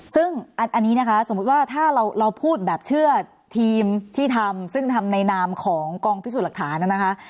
ซึ่งอันนี้นะคะสมมุติว่าถ้าเราพูดแบบเชื่อทีมที่ทำซึ่งทำในนามของกองพิสูจน์หลักฐานนะคะ